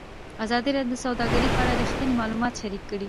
ازادي راډیو د سوداګري په اړه رښتیني معلومات شریک کړي.